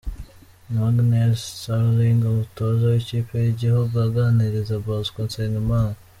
Magnell Sterling umutoza w'ikipe y'igihugu aganiriza Bosco Nsengimana.